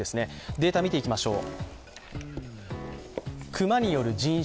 データを見ていきましょう。